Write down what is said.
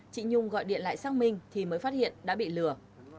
chị nhung gọi điện lại xác minh thì mới phát hiện đã bị lừa